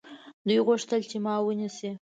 دوی غوښتل چې ما ونیسي.